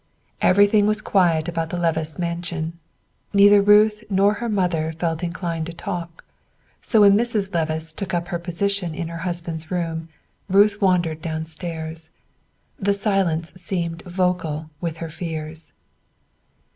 Everything was quiet about the Levice mansion. Neither Ruth nor her mother felt inclined to talk; so when Mrs. Levice took up her position in her husband's room, Ruth wandered downstairs. The silence seemed vocal with her fears.